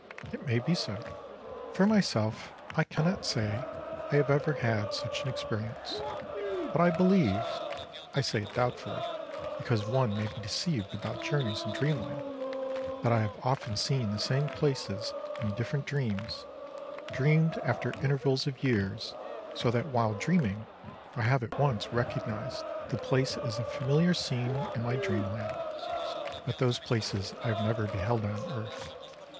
It may be so. For myself, I cannot say I have ever had such an experience, but I believe (I say it doubtfully, because one may be deceived about journeys in dreamland) that I have often seen the same places in different dreams, dreamed after intervals of years, so that, while dreaming, I have at once recognised the place as a familiar scene in my dreamland. But those places I have never beheld on earth.